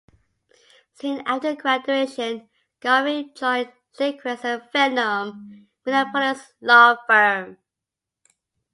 Soon after graduation, Garvey joined Lindquist and Vennum, a Minneapolis law firm.